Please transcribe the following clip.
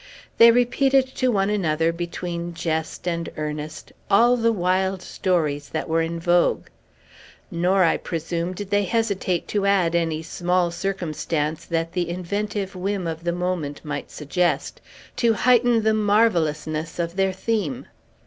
They repeated to one another, between jest and earnest, all the wild stories that were in vogue; nor, I presume, did they hesitate to add any small circumstance that the inventive whim of the moment might suggest, to heighten the marvellousness of their theme.